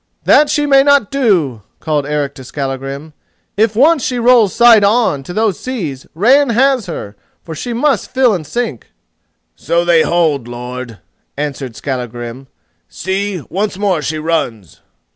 "That she may not do," called Eric to Skallagrim, "if once she rolls side on to those seas Ran has her, for she must fill and sink." "So they hold, lord," answered Skallagrim; "see, once more she runs!"